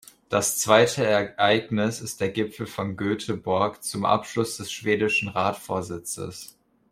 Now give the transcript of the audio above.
Das zweite Ereignis ist der Gipfel von Göteborg zum Abschluss des schwedischen Ratsvorsitzes.